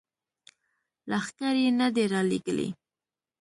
لښکر یې نه دي را لیږلي.